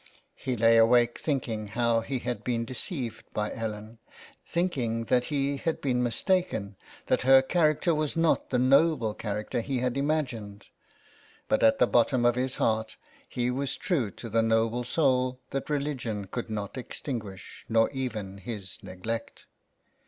He lay awake thinking 371 THE WILD GOOSE. how he had been deceived by Ellen ; thinking that he had been mistaken ; that her character was not the noble character he had imagined. But at the bottom of his heart he was true to the noble soul that religion could not extinguish nor even his neglect.